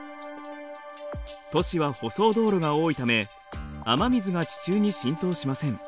都市は舗装道路が多いため雨水が地中に浸透しません。